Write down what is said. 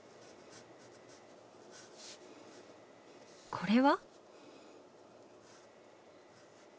これは？